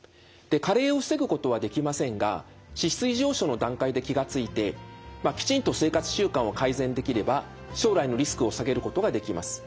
加齢を防ぐことはできませんが脂質異常症の段階で気が付いてきちんと生活習慣を改善できれば将来のリスクを下げることができます。